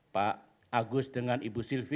pak agus dengan ibu sylvi